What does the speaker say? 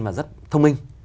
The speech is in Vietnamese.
và rất thông minh